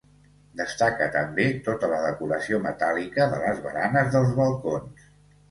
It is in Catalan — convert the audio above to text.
Destaca també tota la decoració metàl·lica de les baranes dels balcons.